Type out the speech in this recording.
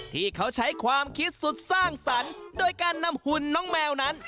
ที่เค้าใช้ความคิดซู้ส่างศรันโดยการนำหุ่นน้องแมวนั้น